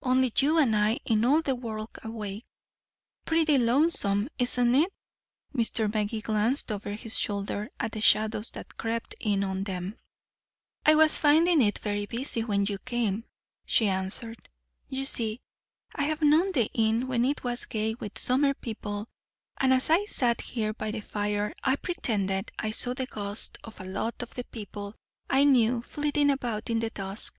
"Only you and I in all the world awake." "Pretty lonesome, isn't it?" Mr. Magee glanced over his shoulder at the shadows that crept in on them. "I was finding it very busy when you came," she answered. "You see, I have known the inn when it was gay with summer people, and as I sat here by the fire I pretended I saw the ghosts of a lot of the people I knew flitting about in the dusk.